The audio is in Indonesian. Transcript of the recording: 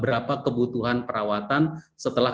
berapa kebutuhan perawatan setelah